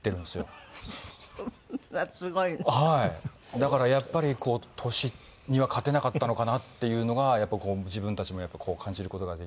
だからやっぱり年には勝てなかったのかなっていうのがやっぱこう自分たちも感じる事ができて。